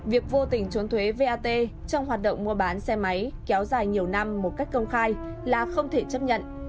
việc vô tình trốn thuế vat trong hoạt động mua bán xe máy kéo dài nhiều năm một cách công khai là không thể chấp nhận